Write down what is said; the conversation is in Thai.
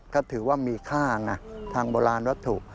ก็ถือว่ามีค่าไงทางโบราณวัตถุ